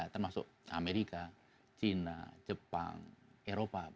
termasuk amerika china jepang eropa